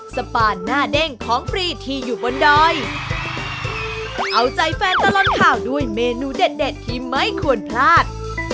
สปานหน้าเด้งของฟรีที่อยู่บนดอยเอาใจแฟนตลอดข่าวด้วยเมนูเด็ดเด็ดที่ไม่ควรพลาด